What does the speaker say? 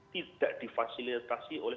tidak difasilitasi oleh